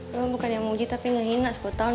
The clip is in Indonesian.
lo bukan yang mau uji tapi gak hina sepuluh tahun